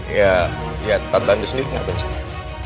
ya ya tante andes nih gak bersini